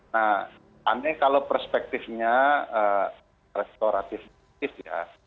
nah aneh kalau perspektifnya restoratif ya